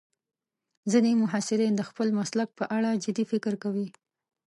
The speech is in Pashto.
ځینې محصلین د خپل مسلک په اړه جدي فکر کوي.